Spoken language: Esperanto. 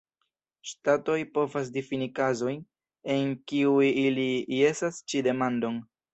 Ŝtatoj povas difini kazojn, en kiuj ili jesas ĉi demandon.